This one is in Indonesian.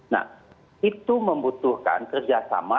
nah itu membutuhkan kerjasama